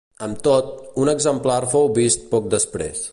Amb tot, un exemplar fou vist poc després.